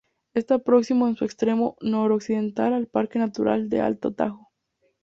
Está próximo en su extremo noroccidental al Parque Natural del Alto Tajo.